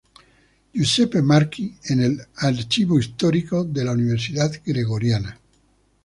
Giuseppe Marchi en el Archivo Histórico de la Universidad Gregoriana